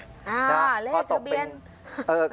อ่าเลขทะเบียน